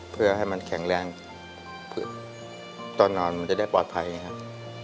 เพื่อให้มันแข็งแรงตอนนอนมันจะได้ปลอดภัยไงครับ